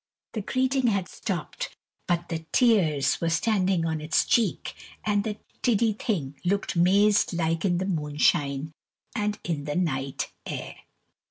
The greeting had stopped, but the tears were standing on its cheek, and the tiddy thing looked mazed like in the moonshine and the night air.